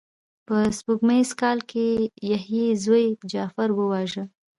په سپوږمیز کال کې یې یحیی زوی جغفر وواژه.